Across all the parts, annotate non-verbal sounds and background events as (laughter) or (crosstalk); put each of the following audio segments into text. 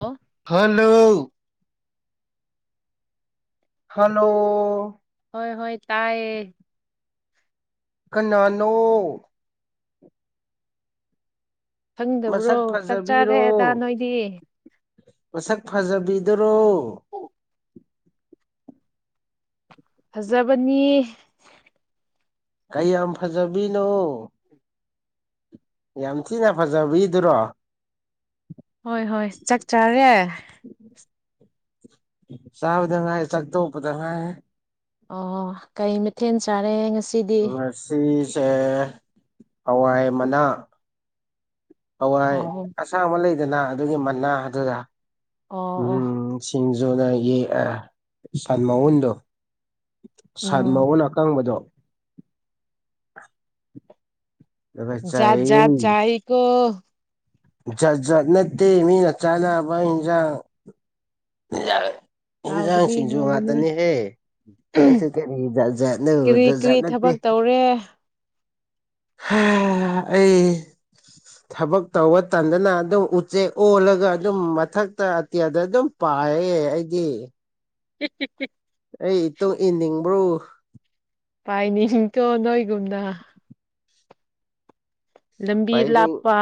ꯑꯣ hello hello ꯍꯣꯏ ꯍꯣꯏ ꯇꯥꯏꯌꯦ ꯀꯅꯥꯅꯣ ꯈꯪꯗꯕ꯭ꯔꯣ ꯃꯁꯛ ꯆꯥꯛ ꯆꯥꯔꯦ ꯑꯗꯥ ꯐꯖꯕꯤꯔꯣ ꯅꯣꯏꯗꯤ ꯃꯁꯛ ꯐꯖꯕꯤꯗꯨꯔꯣ (inaudible) ꯐꯖꯕꯅꯤ ꯀꯩꯌꯥꯝ ꯐꯖꯕꯤꯅꯣ ꯌꯥꯝ ꯊꯤꯅ ꯐꯖꯕꯤꯗꯨꯔꯣ ꯍꯣꯏ ꯍꯣꯏ ꯆꯥꯛ ꯆꯥꯔꯦ ꯆꯥꯕꯗꯉꯥꯢ ꯆꯥꯛ ꯇꯣꯛꯄꯗꯥ ꯉꯥꯢ ꯑꯣ ꯀꯩ ꯃꯊꯦꯜ ꯆꯥꯔꯦ ꯉꯁꯤꯗꯤ ꯑꯁꯤꯁꯦ ꯍꯋꯥꯏ ꯃꯅꯥ ꯍꯋꯥꯏ ꯑꯣ ꯑꯁꯥꯡꯕ ꯂꯩꯗꯅ ꯑꯗꯨꯒꯤ ꯃꯅꯥ ꯑꯗꯨꯗ ꯑꯣ ꯑꯣ ꯁꯤꯡꯖꯨꯅ ꯁꯟ ꯃꯎꯨꯟꯗꯣ ꯁꯟ ꯎꯝ ꯃꯎꯟ ꯑꯀꯪꯕꯗꯣ ꯑꯗꯨꯒ ꯖꯥꯠ ꯆꯥꯏꯌꯦ ꯖꯥꯠ ꯆꯥꯏ ꯀꯦ ꯖꯥꯠ ꯖꯥꯠ ꯅꯠꯇꯦ ꯃꯤꯅ ꯆꯥꯅꯕ ꯏꯟꯖꯥꯡ ꯍꯥꯎꯒꯅꯤ ꯏꯟꯖꯥꯡꯁꯤꯡꯁꯨ ꯍꯥꯎꯒꯅꯤ ꯉꯥꯛꯇꯅꯦꯍꯦ ꯪꯁ ꯀꯔꯤꯠꯅꯗꯠ ꯀꯔꯤ ꯀꯔꯤ ꯅꯠꯇꯦ ꯊꯕꯛ ꯇꯧꯔꯦ ꯑꯩ ꯊꯕꯛ ꯇꯧꯕ ꯇꯟꯗꯅ ꯑꯗꯨꯝ ꯎꯆꯦꯛ ꯑꯣꯜꯂꯒ ꯑꯗꯨꯝ ꯃꯊꯛꯇ ꯑꯇꯤꯌꯥꯗ ꯑꯗꯨꯝ ꯄꯥꯏ ꯑꯩꯗꯤ ꯍꯤ ꯍꯤ ꯑꯩ ꯏꯇꯨꯡ ꯏꯅꯤꯡꯕ꯭ꯔꯣ ꯄꯥꯏꯅꯤꯡꯇꯣ ꯅꯣꯏꯒꯨꯝꯅ ꯂꯝꯕꯤ ꯄꯥꯏꯅꯤꯡ ꯂꯥꯞꯄ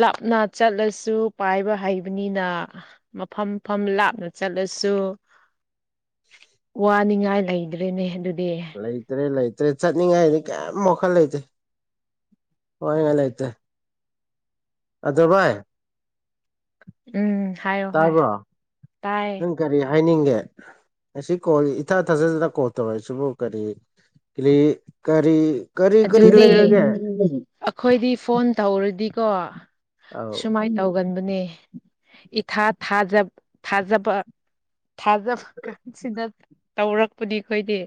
ꯂꯥꯞꯅ ꯆꯠꯂꯁꯨ ꯄꯥꯏꯕ ꯍꯩꯕꯅꯤꯅ ꯃꯐꯝ ꯃꯐꯝ ꯂꯥꯞꯅ ꯆꯠꯂꯁꯨ ꯋꯥꯅꯤꯡꯉꯥꯏ ꯂꯩꯗ꯭ꯔꯦꯅꯦ ꯑꯗꯨꯗꯤ ꯂꯩꯇ꯭ꯔꯦ ꯂꯩꯇ꯭ꯔꯦ ꯆꯠꯅꯤꯡꯉꯥꯏꯗꯤ ꯀꯌꯥꯝ ꯋꯥꯈꯠ ꯂꯩꯇꯦ ꯍꯣꯏ ꯍꯣꯏ ꯂꯩꯇ꯭ꯔꯦ ꯑꯗ ꯚꯥꯏ ꯎꯝ ꯍꯥꯏꯌꯣ ꯍꯥꯏ ꯇꯥꯕ꯭ꯔꯣ ꯇꯥꯏꯌꯦ ꯅꯪ ꯀꯔꯤ ꯍꯥꯏꯅꯤꯡꯒꯦ ꯉꯁꯤ ꯀꯣꯜ ꯏꯊꯥ ꯊꯥꯖꯗꯅ ꯀꯣꯜ ꯇꯧꯔꯛꯏꯁꯤꯕꯨ ꯀꯔꯤ ꯀꯔꯤ ꯀꯔꯤ ꯑꯗꯨ ꯀꯔꯤ ꯗꯤ ꯂꯩꯔꯒꯦ ꯑꯩꯈꯣꯏꯗꯤ ꯐꯣꯟ ꯇꯧꯔꯗꯤꯀꯣ ꯑꯧ ꯁꯨꯃꯥꯏꯅ ꯇꯧꯒꯟꯕꯅꯦ ꯏ ꯊ ꯊꯥꯖꯕ ꯊꯥꯖꯕ ꯊꯥꯖꯕ ꯀꯥꯟꯁꯤꯅ ꯇꯧꯔꯛꯄꯗꯤ ꯑꯩꯈꯣꯏꯗꯤ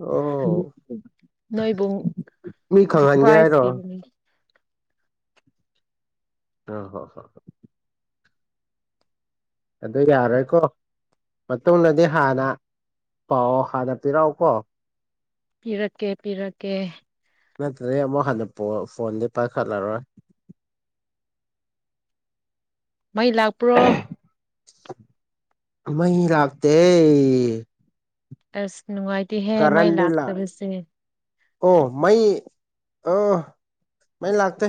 ꯑꯣ ꯅꯣꯏꯕꯨ ꯃꯤ ꯈꯪꯍꯟꯒꯦ ꯄ꯭ꯔꯥꯏꯖ ꯍꯥꯏꯔꯣ ꯄꯤꯕꯅꯤ ꯎ ꯍꯣ ꯍ ꯃꯇꯨꯡꯗꯤ ꯌꯥꯔꯣꯏꯀꯣ ꯃꯇꯨꯡꯗꯗꯤ ꯍꯥꯟꯅ ꯄꯥꯎ ꯍꯥꯟꯅ ꯄꯤꯔꯛꯎꯀꯣ ꯄꯤꯔꯛꯀꯦ ꯄꯤꯔꯛꯀꯦ ꯅꯠꯇ꯭ꯔꯗꯤ ꯑꯃꯨꯛ ꯍꯟꯅ ꯐꯣꯟꯗꯤ ꯄꯥꯏꯈꯠꯂꯔꯣꯏ ꯃꯩ ꯂꯥꯛꯄ꯭ꯔꯣ ꯃꯩ ꯂꯥꯛꯇꯦ ꯑꯁ ꯅꯨꯡꯉꯥꯏꯇ ꯀꯔꯟ ꯂ ꯑꯣ ꯃꯩ ꯃꯩ ꯂꯥꯛꯇꯦ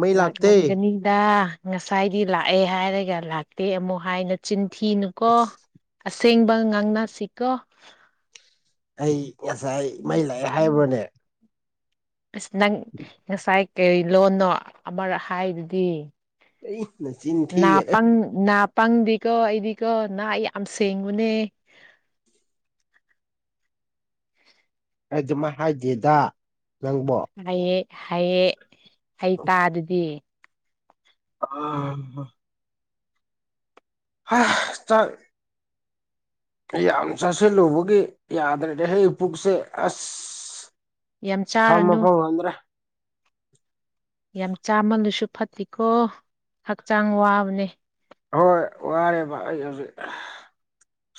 ꯃꯩ ꯂꯥꯛꯇꯦ ꯂꯥꯛꯂꯝꯒꯅꯤꯗ ꯉꯁꯥꯏꯗꯤ ꯂꯥꯛꯑꯦ ꯍꯥꯏꯔꯒ ꯂꯥꯛꯇꯦ ꯑꯃꯨꯛ ꯍꯥꯏꯅ ꯆꯤꯟ ꯊꯤꯅꯨꯀꯣ ꯑꯁꯦꯡꯕ ꯉꯥꯡꯅꯁꯤꯀꯣ ꯑꯩ ꯉꯁꯥꯏ ꯃꯩ ꯂꯥꯛꯑꯦ ꯍꯥꯏꯕ꯭ꯔꯣꯅꯦ ꯑꯁ ꯅꯪ ꯉꯁꯥꯏ ꯀꯔꯤ ꯂꯣꯟꯅꯣ ꯑꯃꯔꯛ ꯍꯥꯏꯕꯗꯤ ꯑꯩ ꯅꯆꯤꯟ ꯊꯤꯒꯅꯨ ꯅꯥꯄꯪ ꯅꯥ ꯄꯪꯗꯤꯀꯣ ꯑꯩꯗꯤꯀꯣ ꯅꯥ ꯌꯥꯝ ꯁꯦꯡꯕꯅꯦ ꯑꯩ ꯑꯗꯨꯃ ꯍꯥꯏꯗꯦꯗ ꯅꯪꯕꯣ ꯍꯌꯦ ꯍꯌꯦ ꯍꯩ ꯇꯥꯗꯗꯤ ꯑ ꯍ ꯆꯥꯛ ꯌꯥꯝ ꯆꯥꯁꯤꯜꯂꯨꯕꯒꯤ ꯌꯥꯗ꯭ꯔꯦꯗꯤ ꯍꯦ ꯄꯨꯛꯁꯦ ꯑꯁ ꯌꯥꯝ ꯐꯝ ꯆꯥꯔꯅꯨ ꯕꯐꯧ ꯉꯝꯗꯔꯦ ꯌꯥꯝ ꯆꯥꯃꯜꯂꯨꯁꯨ ꯐꯠꯇꯀꯣ ꯍꯛꯆꯥꯡ ꯋꯥꯕꯅꯦ ꯍꯣꯏ ꯋꯥꯔꯦ ꯚ ꯑꯩ ꯍꯧꯖꯤꯛ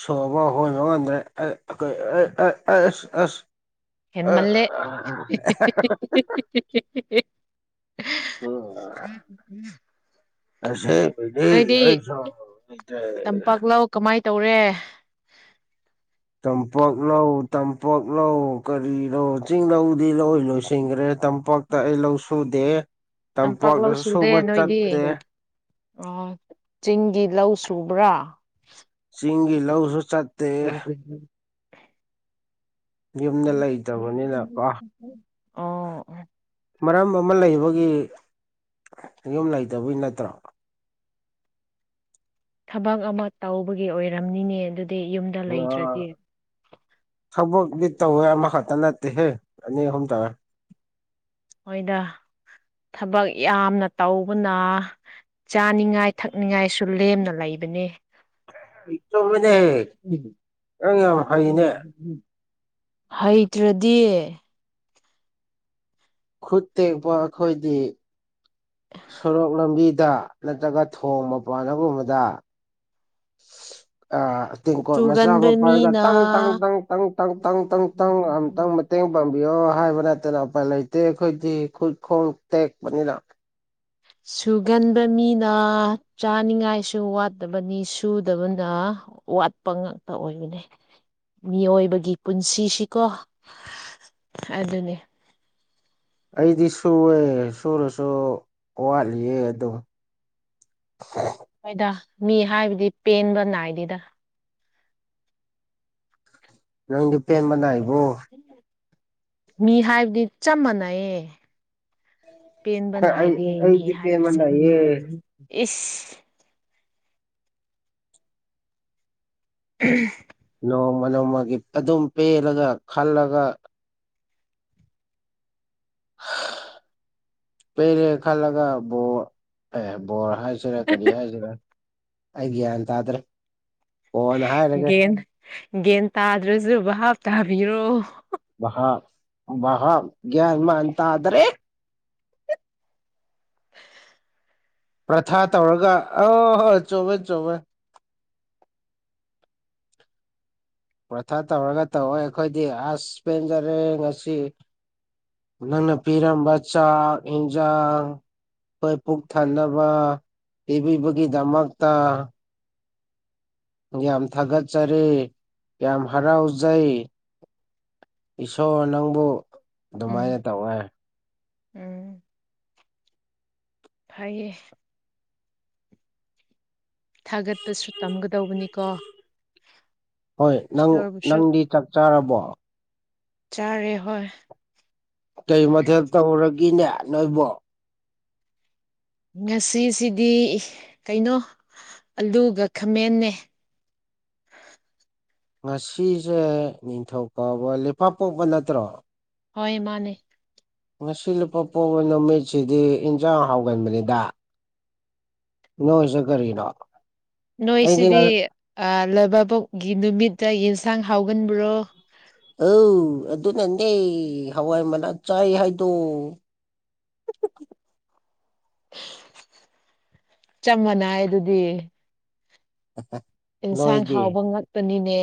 ꯁꯣꯕ ꯍꯣꯏꯕ ꯉꯥꯟꯗ꯭ꯔꯦ ꯑꯩ ꯑꯩꯏ ꯑ ꯑꯁ ꯑꯁ ꯍꯦꯟꯃꯜꯂꯦ ꯍ ꯑꯁꯦꯗꯤ ꯑꯩꯁꯨꯣ ꯅꯇ ꯀꯃꯥꯏꯅ ꯇꯧꯔꯦ ꯇꯝꯄꯥꯛ ꯂꯧ ꯇꯝꯄꯥꯛ ꯂꯧ ꯀꯔꯤ ꯂꯧ ꯆꯤꯡ ꯂꯧꯗꯤ ꯂꯣꯏ ꯂꯣꯏꯁꯤꯟꯈ꯭ꯔꯦ ꯇꯝꯄꯥꯛ ꯑꯩ ꯂꯧ ꯁꯨꯗꯦ ꯇꯝꯄꯥꯛ ꯇꯝꯄꯥꯛꯇ ꯂꯧ ꯁꯨꯗꯦ ꯁꯨꯕ ꯅꯣꯏꯗꯤ ꯆꯠꯇꯦ ꯆꯤꯡꯒꯤ ꯂꯧ ꯁꯨꯕ꯭ꯔꯥ ꯆꯤꯡꯒꯤ ꯂꯧꯁꯨ ꯆꯠꯇꯦ ꯌꯨꯝꯗ ꯂꯩꯇꯕꯅꯤꯅ ꯄꯥꯛ ꯑꯣ ꯃꯔꯝ ꯑꯃ ꯂꯩꯕꯒꯤ ꯌꯣꯝ ꯂꯩꯇꯕꯒꯤ ꯅꯠꯇ꯭ꯔꯣ ꯊꯕꯛ ꯑꯃ ꯇꯧꯕꯒꯤ ꯑꯣꯏꯔꯝꯅꯤꯅꯦ ꯑꯗꯨꯗꯤ ꯌꯨꯝꯗ ꯂꯩꯗ꯭ꯔꯗꯤ ꯊꯕꯛꯗꯤ ꯇꯧꯋꯦ ꯑꯃꯈꯛꯇ ꯅꯠꯇꯦꯍꯦ ꯑꯅꯤ ꯑꯍꯨꯝ ꯇꯧꯔꯦ ꯃꯣꯏꯗ ꯊꯕꯛ ꯌꯥꯝꯅ ꯇꯧꯕꯅ ꯆꯥꯅꯤꯉꯥꯏ ꯊꯛꯅꯤꯡꯉꯥꯏꯁꯨ ꯂꯦꯝꯅ ꯂꯩꯕꯅꯤ ꯍꯩꯇꯕꯅꯦ ꯅꯪ ꯐꯩꯅꯦ ꯎꯝ ꯍꯩꯇ꯭ꯔꯗꯤ ꯈꯨꯠ ꯇꯦꯛꯄ ꯑꯩꯈꯣꯏꯗꯤ ꯁꯣꯔꯣꯛ ꯂꯝꯕꯤꯗ ꯅꯠꯇ꯭ꯔꯒ ꯊꯣꯡ ꯃꯄꯥꯟꯒꯨꯝꯕꯗ ꯑ ꯇꯦꯡꯀꯣꯠ ꯃꯆꯥ ꯆꯨꯒꯟꯕ ꯑꯃ ꯄꯔꯒ ꯃꯤꯅ ꯇ ꯇꯪ ꯃꯇꯦꯡ ꯄꯥꯡꯕꯤꯌꯣ ꯍꯥꯏꯕ ꯅꯠꯇꯅ ꯎꯄꯥꯏ ꯂꯩꯇꯦ ꯑꯩꯈꯣꯏꯗꯤ ꯈꯨꯠꯈꯣꯡ ꯇꯦꯛꯄꯅꯤꯅ ꯁꯨꯒꯟꯕ ꯃꯤꯅ ꯆꯥꯅꯤꯉꯥꯏꯁꯨ ꯋꯥꯠꯇꯕꯅꯤ ꯁꯨꯗꯕꯅ ꯋꯥꯠꯄ ꯉꯥꯛꯇ ꯑꯣꯏꯕꯅꯦ ꯃꯤꯑꯣꯏꯕꯒꯤ ꯄꯨꯟꯁꯤꯁꯤꯀꯣ ꯑꯗꯨꯅꯤ ꯑꯩꯗꯤ ꯁꯨꯑꯦ ꯁꯨꯔꯁꯨ ꯋꯥꯠꯂꯤꯌꯦ ꯑꯗꯣ ꯍ (unintelligible) ꯍꯣꯏꯗ ꯃꯤ ꯍꯥꯏꯕꯗꯤ ꯄꯦꯟꯕ ꯅꯥꯏꯗꯦꯗ ꯅꯪꯗꯤ ꯄꯦꯟꯕꯥ ꯅꯥꯏ ꯃꯤ ꯍꯥꯏꯕꯗꯤ ꯆꯞ ꯃꯥꯟꯅꯩꯌꯦ ꯄꯦꯟꯕ ꯑꯩ ꯅꯥꯏꯗꯦꯅꯦ ꯑꯩꯗꯤ ꯄꯦꯟꯕ ꯍꯥꯏꯔꯤꯁꯦ ꯅꯥꯏꯌꯦ ꯏꯁ ꯎꯝ ꯅꯣꯡꯃ ꯅꯣꯡꯃꯒꯤ ꯑꯗꯨꯝ ꯄꯦꯜꯂꯒ ꯈꯜꯂꯒ ꯄꯩ ꯔꯦ ꯈꯥꯂꯒ ꯑꯦ ꯣꯔ ꯍꯥꯏ ꯁꯤꯔ ꯀꯅꯤ ꯍꯥꯏꯁꯤꯔ ꯑꯩ ꯒ꯭ꯌꯥꯟ ꯇꯥꯗ꯭ꯔꯦ ꯀꯣꯟꯅ ꯍꯥꯏꯔꯒꯦ ꯌꯦꯟ ꯒꯦꯟ ꯇꯥꯗ꯭ꯔꯁꯨ ꯍꯥꯞ ꯇꯥꯕꯤꯔꯣ ꯍ ꯍ ꯦꯃ ꯑꯇꯗ꯭ꯔꯦ ꯄ꯭ꯔꯊꯥ ꯇꯧꯔꯒ ꯑ ꯍꯣꯏ ꯆꯣꯕꯣꯏ ꯆꯣꯕꯦ ꯄ꯭ꯔꯊꯥ ꯇꯧꯔꯒ ꯇꯧꯋ ꯑꯩꯈꯣꯏꯗꯤ ꯑꯁ ꯄꯦꯟꯖꯔꯦ ꯉꯁꯤ ꯅꯪꯅ ꯄꯤꯔꯝꯕ ꯆꯥꯛ ꯌꯦꯟꯖꯥꯡ ꯑꯩꯈꯣꯏ ꯄꯨꯛ ꯊꯟꯅꯕ ꯄꯤꯕꯤꯕꯒꯤꯗꯃꯛꯇ ꯌꯥꯝ ꯊꯥꯒꯠꯆꯔꯤ ꯌꯥꯝ ꯍꯔꯥꯎꯖꯩ ꯏꯁꯣꯔ ꯅꯪꯕꯨ ꯎꯝ ꯑꯗꯨꯃꯥꯏꯅ ꯇꯧꯋꯦ ꯎꯝ ꯍꯥꯏꯌꯦ ꯊꯥꯒꯠꯄꯁꯨ ꯇꯝꯒꯗꯧꯕꯅꯤꯀꯣ ꯍꯣꯏ ꯅꯪ ꯏꯁꯣꯔꯕꯨꯁꯨ ꯅꯪꯗꯤ ꯆꯥꯛ ꯆꯥꯔꯕꯣ ꯆꯥꯔꯦ ꯍꯣꯏ ꯀꯩ ꯃꯊꯦꯜ ꯇꯧꯔꯒꯤꯅꯦ ꯅꯣꯏꯕꯣ ꯉꯁꯤꯁꯤꯗꯤ ꯀꯩꯅꯣ ꯑꯂꯨꯒ ꯈꯥꯃꯦꯟꯅꯦ ꯉꯁꯤꯁꯦ ꯅꯤꯡꯊꯧꯀꯥꯕ ꯂꯩꯄꯥꯛꯄꯣꯛꯄꯥ ꯅꯠꯇ꯭ꯔꯣ ꯍꯣꯏ ꯃꯥꯅꯦ ꯉꯁꯤ ꯂꯨꯄꯥ ꯄꯣꯛꯕ ꯅꯨꯃꯤꯠꯁꯤꯗꯤ ꯏꯟꯖꯥꯡ ꯍꯥꯎꯒꯟꯕꯅꯤꯗ ꯅꯣꯏꯖꯨ ꯀꯔꯤꯅꯣ ꯑꯩꯗꯤ ꯉ ꯅꯣꯏꯁꯤꯗꯤ ꯑ ꯂꯩꯕꯕꯣꯛꯒꯤ ꯅꯨꯃꯤꯠꯇ ꯌꯦꯟꯁꯥꯡ ꯍꯥꯎꯒꯟꯕ꯭ꯔꯣ ꯑꯧ ꯑꯗꯨꯅꯅꯦ ꯍꯋꯥꯏꯃꯅꯥ ꯆꯥꯏ ꯍꯥꯏꯗꯣ ꯆꯞ ꯃꯥꯟꯅꯩ ꯑꯗꯨꯗꯤ (unintelligible) ꯏꯟꯁꯥꯡ ꯅꯣꯏꯗꯤ ꯍꯥꯎꯕ ꯉꯥꯛꯇꯅꯤꯅꯦ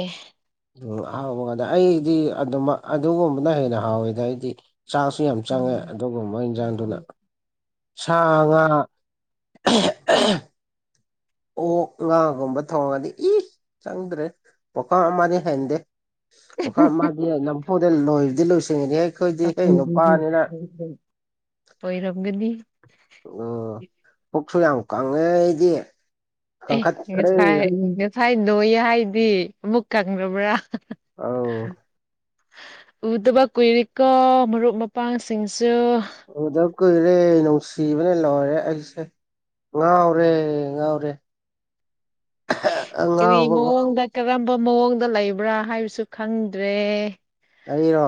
ꯎꯝ ꯑꯍꯥꯎꯕ ꯉꯥꯇ ꯑꯩꯗꯤ ꯑꯗꯨꯝꯃ ꯑꯗꯨꯒꯨꯝꯕꯅ ꯍꯦꯟꯅ ꯍꯥꯎꯋꯤꯗ ꯑꯩꯗꯤ ꯆꯥꯡꯁꯨ ꯌꯥꯝ ꯆꯪꯉꯦ ꯑꯗꯨꯒꯨꯝꯕꯣꯏ ꯏꯟꯖꯥꯡꯗꯨꯅ ꯁꯥ ꯉꯥ (unintelligible) ꯑꯣꯛ ꯉꯥꯒꯨꯝꯕ ꯊꯣꯡꯉꯗꯤ ꯏ ꯆꯪꯗ꯭ꯔꯦ ꯄꯨꯈꯝ ꯑꯃꯗꯩ ꯍꯦꯟꯗꯦ ꯄꯨꯈꯝ ꯑꯃꯗꯤ ꯅꯝꯐꯨꯗ ꯂꯣꯏꯗꯤ ꯂꯣꯏꯁꯤꯟꯉꯦꯛ (unintelligible) ꯑꯣꯏꯔꯝꯒꯅꯤ ꯎꯝ ꯄꯨꯛꯁꯨ ꯌꯥꯝ ꯀꯪꯉꯦ ꯑꯩꯗꯤ ꯑꯦ ꯀꯪꯈꯠꯈ꯭ꯔꯦ ꯉꯁꯥꯏ (unintelligible) ꯉꯁꯥꯏ ꯅꯣꯏꯌꯦ ꯍꯥꯏꯗꯤ ꯑꯃꯨꯛ ꯀꯪꯒꯕ꯭ꯔꯥ ꯑꯧ ꯎꯗꯕ ꯀꯨꯏꯔꯤꯀꯣ ꯃꯔꯨꯞ ꯃꯄꯥꯡꯁꯤꯡꯁꯨ ꯎꯗꯞ ꯀꯨꯏꯔꯦ ꯅꯨꯡꯁꯤꯕꯅ ꯂꯣꯏꯔꯦ ꯑꯩꯁꯦ ꯉꯥꯎꯔꯦ ꯉꯥꯎꯔꯦ ꯀꯔꯤ ꯑꯉꯥꯎꯕꯒꯨꯝ ꯃꯑꯣꯡꯗ ꯀꯔꯝꯕ ꯃꯑꯣꯡꯗ ꯂꯩꯕ꯭ꯔꯥ ꯍꯥꯏꯕꯁꯨ ꯈꯪꯗ꯭ꯔꯦ ꯑꯩꯔꯣ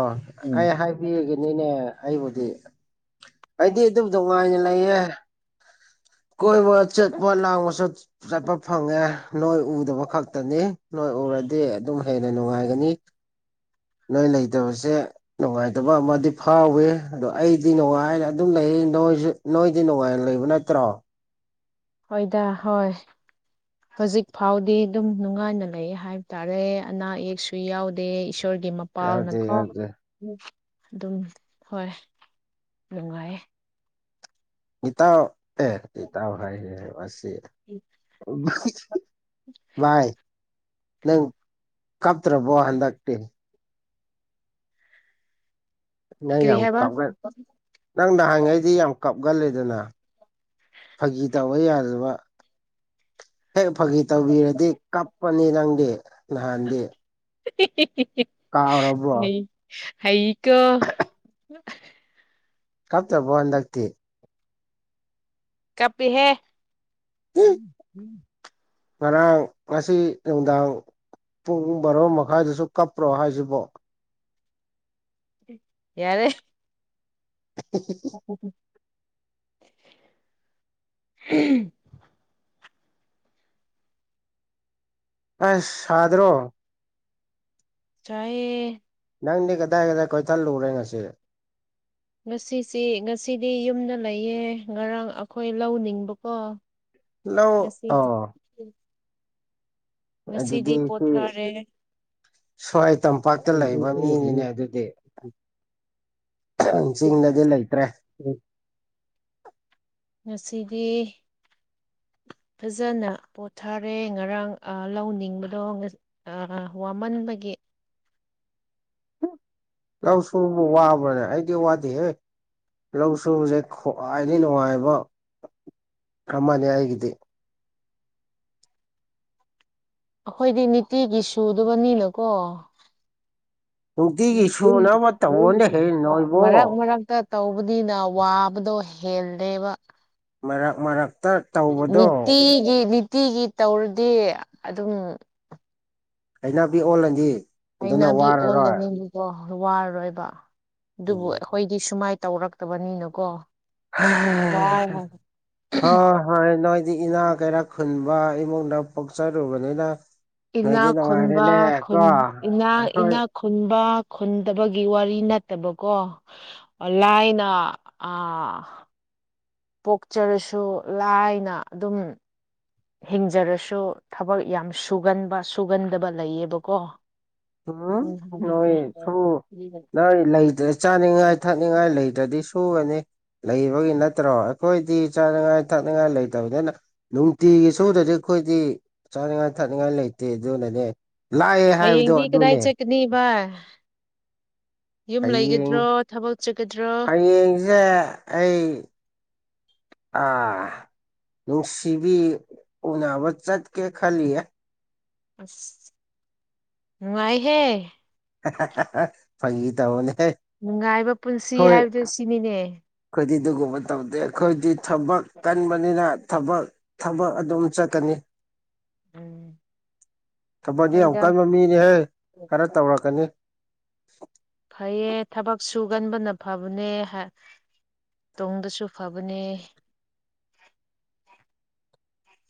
ꯑꯩ ꯍꯥꯏꯕꯤꯒꯦꯅꯤꯅꯦ ꯑꯩꯕꯨꯗꯤ ꯑꯩꯗꯤ ꯑꯗꯨꯝ ꯅꯨꯡꯉꯥꯏꯅ ꯂꯩꯌꯦ ꯀꯣꯏꯕ ꯆꯠꯄ ꯂꯥꯡꯕ ꯆꯠ ꯆꯠꯄ ꯐꯪꯉꯦ ꯅꯣꯏ ꯎꯗꯕ ꯈꯛꯇꯅꯤ ꯅꯣꯏ ꯎꯔꯗꯤ ꯑꯗꯨꯝ ꯍꯦꯟꯅ ꯅꯨꯡꯉꯥꯏꯒꯅꯤ ꯅꯣꯏ ꯂꯩꯇꯕꯁꯦ ꯅꯨꯡꯉꯥꯏꯇꯕ ꯑꯃꯗꯤ ꯐꯥꯎꯋꯤ ꯑꯗꯣ ꯑꯩꯗꯤ ꯅꯨꯡꯉꯥꯏꯅ ꯑꯗꯨꯝ ꯂꯩ ꯅꯣꯏꯖꯨ ꯅꯣꯏꯗꯤ ꯅꯨꯡꯉꯥꯏꯟ ꯂꯩꯕ ꯅꯠꯇ꯭ꯔꯣ ꯍꯣꯏꯗ ꯍꯣꯏ ꯍꯧꯖꯤꯛ ꯐꯥꯎꯗꯤ ꯑꯗꯨꯝ ꯅꯨꯡꯉꯥꯏꯅ ꯂꯩꯌꯦ ꯍꯥꯏꯕ ꯇꯥꯔꯦ ꯑꯅꯥ ꯑꯌꯦꯛꯁꯨ ꯌꯥꯎꯗꯦ ꯏꯁꯣꯔꯒꯤ ꯃ ꯌꯥꯗꯦ ꯄꯥꯜꯅꯀꯣ ꯌꯥꯗꯦ ꯑꯗꯨꯝ ꯍꯣꯏ ꯅꯨꯡꯉꯥꯏꯌꯦ ꯏꯇꯥꯎ ꯑꯦ ꯏꯇꯥꯎ ꯍꯥꯏꯔꯦ ꯃꯁꯤ (unintelligible) ꯚꯥꯏ ꯅꯪ ꯀꯞꯇ꯭ꯔꯕꯣ ꯍꯟꯗꯛꯇꯤ ꯅꯪ ꯀꯔꯤ ꯌꯥꯝ ꯍꯥꯏꯕ ꯀꯥꯞꯒꯟ ꯅꯪ ꯅꯍꯥꯟꯉꯩꯗꯤ ꯌꯥꯝ ꯀꯞꯒꯜꯂꯦꯗꯅ ꯐꯥꯒꯤ ꯇꯧꯕ ꯌꯥꯗꯕ ꯍꯦꯛ ꯐꯥꯒꯤ ꯇꯧꯕꯤꯔꯗꯤ ꯀꯞꯄꯅꯤ ꯅꯪꯗꯤ ꯅꯍꯥꯟꯗꯤ (unintelligible) ꯀꯥꯎꯔꯕ꯭ꯔꯣ ꯍꯩ ꯍꯩꯀꯣ ꯀꯞꯇꯕ꯭ꯔꯣ ꯍꯟꯗꯛꯇꯤ ꯀꯞꯄꯤꯍꯦ ꯉꯔꯥꯡ ꯉꯁꯤ ꯅꯨꯡꯗꯥꯡ ꯄꯨꯡ ꯕꯥꯔꯣ ꯃꯈꯥꯏꯗꯁꯨ ꯀꯞꯄ꯭ꯔꯣ ꯍꯥꯏꯁꯤꯕꯣ ꯌꯥꯔꯦ (unintelligible) (unintelligible) ꯑꯁ ꯁꯥꯗ꯭ꯔꯣ ꯆꯥꯏꯌꯦ ꯅꯪꯗꯤ ꯀꯗꯥꯏ ꯀꯗꯥꯏ ꯀꯣꯏꯊꯠꯂꯨꯔꯦ ꯉꯁꯤ ꯉꯁꯤꯁꯤ ꯉꯁꯤꯗꯤ ꯌꯨꯝꯗ ꯂꯩꯌꯦ ꯉꯔꯥꯡ ꯑꯩꯈꯣꯏ ꯂꯧ ꯂꯤꯡꯕꯀꯣ ꯂꯧ ꯑꯣ ꯉꯁꯤꯗꯤ ꯑꯗꯨꯗꯗꯁ ꯄꯣꯊꯥꯔꯦ ꯁ꯭ꯋꯥꯏ ꯇꯝꯄꯥꯛꯇ ꯂꯩꯕ ꯃꯤꯅꯤꯅꯦ ꯑꯗꯨꯗꯤ ꯆꯤꯡꯗꯗꯤ ꯂꯩꯇ꯭ꯔꯦ ꯎꯝ ꯉꯁꯤꯗꯤ ꯐꯖꯅ ꯄꯣꯊꯔꯦ ꯉꯔꯥꯡ ꯂꯧꯅꯤꯡꯕꯗꯣ ꯑ ꯋꯥꯃꯟꯕꯒꯤ ꯥꯂꯧ ꯁꯨꯕꯨ ꯋꯥꯕ꯭ꯔꯅꯦ ꯑꯩꯗꯤ ꯋꯥꯗꯦ ꯍꯦ ꯂꯧ ꯁꯕꯁꯦ ꯈ꯭ꯋꯥꯏꯗꯒꯤ ꯅꯨꯡꯉꯥꯏꯕ ꯑꯃꯅꯤ ꯑꯩꯒꯤꯗꯤ ꯑꯩꯈꯣꯏꯗꯤ ꯅꯤꯇꯤꯒꯤ ꯁꯨꯗꯨꯕꯅꯤꯅ‌ꯦꯀꯣ ꯅꯨꯡꯇꯤꯒꯤ ꯁꯨꯅꯕ ꯇꯧꯕꯅꯦꯍꯦ ꯅꯣꯏꯕꯣ ꯃꯔꯔꯥꯡ ꯃꯔꯔꯥꯡꯇ ꯇꯧꯕꯅꯤꯅ ꯋꯥꯕꯗꯣ ꯍꯦꯜꯂꯦꯕ ꯃꯔꯛ ꯃꯔꯛꯇ ꯇꯧꯕꯗꯣ ꯅꯤꯇꯤꯒꯤ ꯅꯤꯇꯤꯒꯤ ꯇꯧꯔꯗꯤ ꯑꯗꯨꯝ ꯍꯅꯥꯄꯤ ꯑꯣꯜꯂꯗꯤ ꯑꯗꯨꯅ ꯋꯥꯔꯔꯣꯏ ꯑꯣ ꯋꯥꯔꯣꯏꯕ ꯑꯗꯨꯕꯨ ꯎꯝ ꯑꯩꯈꯣꯏꯗꯤ ꯁꯨꯃꯥꯏꯅ ꯇꯧꯔꯛꯇꯕꯅꯤꯅꯀꯣ ꯑ ꯍꯣꯏ ꯅꯣꯏꯗꯤ ꯏꯅꯥ ꯀꯩꯔꯥ ꯈꯨꯟꯕ ꯏꯃꯨꯡꯗ ꯄꯣꯛꯆꯔꯨꯕꯅꯤꯅ ꯅꯣꯏꯗꯤ ꯏꯅꯥꯛ ꯈꯨꯟꯕ ꯅꯨꯡꯉꯥꯏꯔꯦꯅꯦ ꯀꯣ ꯈꯨꯟ ꯏꯅꯥ ꯑꯩꯈꯣꯏ ꯏꯅꯥ ꯈꯨꯟꯕ ꯈꯨꯟꯗꯕꯒꯤ ꯋꯥꯔꯤ ꯅꯠꯇꯕꯀꯣ ꯑꯣꯂꯥ ꯑꯏꯅ ꯑ ꯄꯣꯛꯆꯔꯁꯨ ꯂꯥꯏꯅ ꯑꯗꯨꯝ ꯍꯤꯡꯖꯔꯁꯨ ꯊꯕꯛ ꯌꯥꯝ ꯁꯨꯒꯟꯕ ꯁꯨꯒꯟꯗꯕ ꯂꯩꯌꯦꯕꯀꯣ ꯎꯝ ꯍꯦ (unintelligible) ꯅꯣꯏ ꯂꯩ꯭ꯔ ꯆꯥꯅꯤꯡꯉꯥꯏ ꯊꯛꯅꯤꯡꯉꯥꯏ ꯂꯩꯗ꯭ꯔꯗꯤ ꯁꯨꯕꯅꯤ ꯂꯩꯕꯒꯤ ꯅꯠꯇ꯭ꯔꯣ ꯑꯩꯈꯣꯏꯗꯤ ꯆꯥꯅꯉꯥꯏ ꯊꯛꯅꯉꯥꯏ ꯂꯩꯇꯕꯅꯤꯅ ꯅꯨꯡꯇꯤꯒꯤ ꯁꯨꯗꯗꯤ ꯑꯩꯈꯣꯏꯗꯤ ꯆꯥꯅꯤꯡꯉꯥꯏ ꯊꯛꯅꯤꯡꯉꯥꯏ ꯂꯩꯇꯦ ꯑꯗꯨꯅꯅꯦ ꯂꯥꯛꯑꯦ ꯍꯥꯏꯕꯗꯣ ꯍꯌꯦꯡꯗꯤ ꯀꯗꯥꯏ ꯑꯗꯨꯅꯦ ꯆꯠꯀꯅꯤꯕ ꯍꯌꯦꯡ ꯍꯌꯦꯡꯁꯦ ꯑꯩ ꯑꯥ ꯅꯨꯡꯁꯤꯕꯤ ꯎꯅꯕ ꯆꯠꯀꯦ ꯈꯜꯂꯤꯌꯦ ꯅꯨꯡꯉꯥꯏꯍꯦ ꯍꯥ ꯍꯥ ꯐꯥꯒꯤ ꯇꯧꯕꯅꯦ ꯅꯨꯡꯉꯥꯏꯕ ꯄꯨꯟꯁꯤ ꯍꯣꯏ ꯍꯥꯏꯕꯗꯨ ꯁꯤꯅꯤꯅꯦ ꯑꯩꯈꯣꯏꯗꯤ ꯑꯗꯨꯒꯨꯝꯕ ꯇꯧꯗꯦ ꯑꯩꯈꯣꯏꯗꯤ ꯊꯕꯛ ꯀꯟꯕꯅꯤꯅ ꯊꯕꯛ ꯊꯕꯛ ꯑꯗꯨꯝ ꯆꯠꯀꯅꯤ ꯎꯝ ꯊꯕꯛꯁ ꯌꯥꯝ ꯍꯣꯏꯗ ꯀꯟꯕ ꯃꯤꯅꯦꯍꯦ ꯈꯔ ꯇꯧꯔꯛꯀꯅꯤ ꯐꯩꯌꯦ ꯊꯕꯛ ꯁꯨꯒꯟꯕꯅ ꯐꯕꯅꯦ ꯇꯨꯡꯗꯁꯨ ꯐꯕꯅꯦ